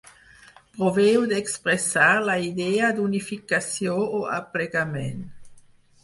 Proveu d'expressar la idea d'unificació o aplegament.